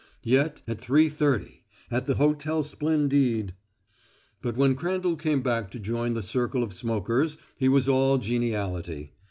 Yet at three thirty at the Hotel Splendide But when Crandall came back to join the circle of smokers, he was all geniality.